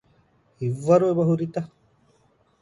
ހިތްވަރު އެބަހުރިތަ؟